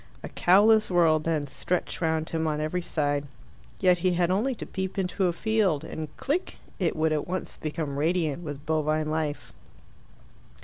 A cowless world, then, stretched round him on every side. Yet he had only to peep into a field, and, click! it would at once become radiant with bovine life.